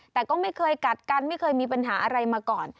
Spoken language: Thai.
แต่ก็ไม่เคยกัดกันไม่เคยมีปัญหาอะไรมาก่อน